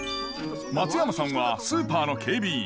松山さんはスーパーの警備員。